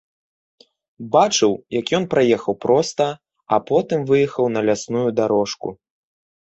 Бачыў, як ён праехаў проста, а потым выехаў на лясную дарожку.